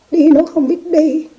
đi nó không biết đi